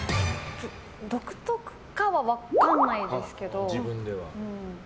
独特かは分かんないですけど。